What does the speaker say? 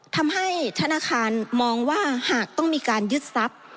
ทำให้ธนาคารมองว่าหากต้องมีการยึดทรัพย์